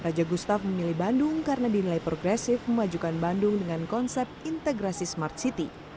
raja gustaf memilih bandung karena dinilai progresif memajukan bandung dengan konsep integrasi smart city